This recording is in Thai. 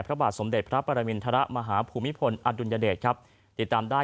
พระบาทสมเด็จพระปรมินทรมาฮภูมิพลอดุลยเดชครับติดตามได้